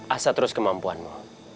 asat terus kemampuanmu